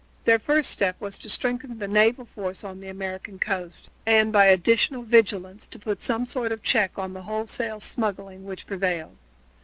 Their first step was to strengthen the naval force on the American coast and by additional vigilance to put some sort of check on the wholesale smuggling which prevailed.